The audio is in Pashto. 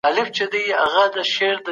تېر کال ماشوم په کور کي ولوست.